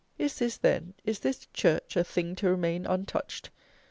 Is this, then, is this "church" a thing to remain untouched?